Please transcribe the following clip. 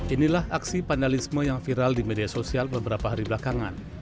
inilah aksi pandalisme yang viral di media sosial beberapa hari belakangan